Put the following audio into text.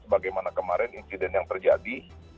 sebagaimana kemarin insiden yang terjadi